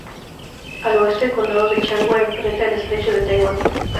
Al oeste, el condado de Changhua enfrenta el estrecho de Taiwán.